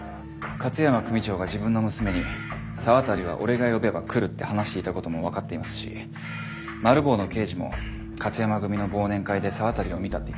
勝山組長が自分の娘に「沢渡は俺が呼べば来る」って話していたことも分かっていますしマル暴の刑事も勝山組の忘年会で沢渡を見たって言ってます。